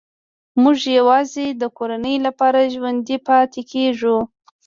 موږ یوازې د کورنۍ لپاره ژوندي پاتې کېږو